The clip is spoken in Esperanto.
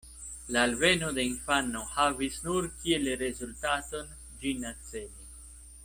La alveno de infano havis nur kiel rezultaton, ĝin akceli.